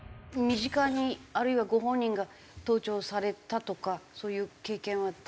身近にあるいはご本人が盗聴されたとかそういう経験は？